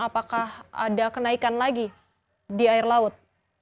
apakah ada kenaikan lagi di air laut